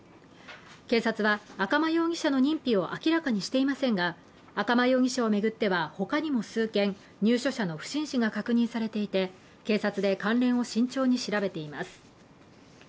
警察は、赤間容疑者の認否を明らかにしていませんが、赤間容疑者を巡っては、他にも数件入所者の不審死が確認されていて警察で関連を慎重に調べています。